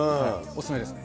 お勧めです。